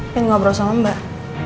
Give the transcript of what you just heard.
pengen ngobrol sama mbak